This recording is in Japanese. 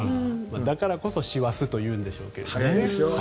だからこそ師走というんでしょうがね。